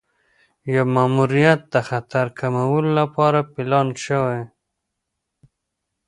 یو ماموریت د خطر کمولو لپاره پلان شوی.